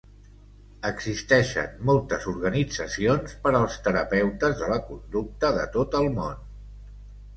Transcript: Existeixen moltes organitzacions per als terapeutes de la conducta de tot el món.